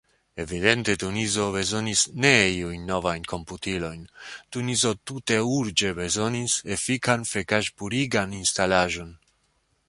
Evidente Tunizo bezonis ne iujn novajn komputilojn, Tunizo tute urĝe bezonis efikan fekaĵpurigan instalaĵon.